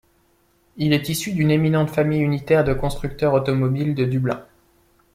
Il est issu d'une éminente famille unitaire et de constructeurs automobiles de Dublin.